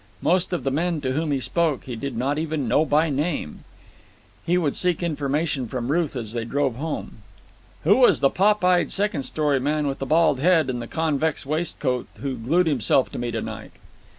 Most of the men to whom he spoke he did not even know by name. He would seek information from Ruth as they drove home. "Who was the pop eyed second story man with the bald head and the convex waistcoat who glued himself to me to night?"